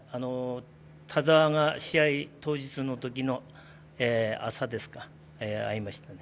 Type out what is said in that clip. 田澤が試合当日のときの朝会いましたね。